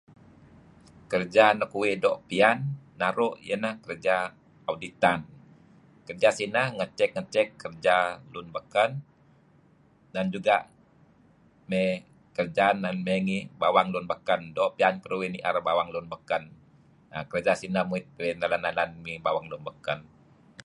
Kerja nuk uih doo' pian iah ineh kerja oditan. Kerja sineh ngecek-ngecek kerja lun baken dan juga kerja may ngi bawang lun baken. Doo' piyan uih nier bawang lun baken. Kerja sineh muit uih nalan-nalan ngi bawang lun baken.